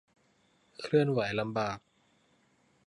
เคลื่อนไหวลำบาก